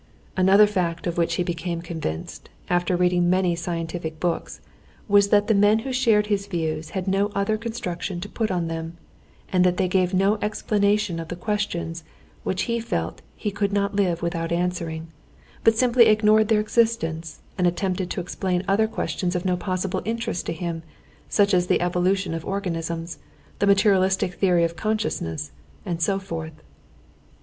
Another fact of which he became convinced, after reading many scientific books, was that the men who shared his views had no other construction to put on them, and that they gave no explanation of the questions which he felt he could not live without answering, but simply ignored their existence and attempted to explain other questions of no possible interest to him, such as the evolution of organisms, the materialistic theory of consciousness, and so forth.